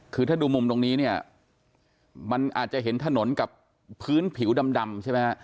คือถ้าดูมุมตรงนี้เนี่ยมันอาจจะเห็นถนนกับพื้นผิวดำใช่ไหมฮะ